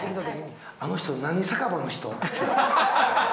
あの人、何酒場の人？